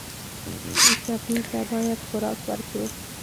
ټپي ته باید خوراک ورکړو.